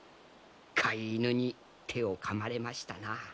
飼い犬に手をかまれましたな。